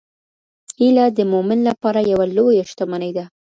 هیله د مومن لپاره یوه لویه شتمني ده.